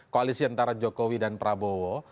koalisi antara jokowi dan prabowo